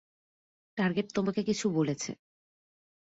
Target তোমাকে কিছু বলেছে।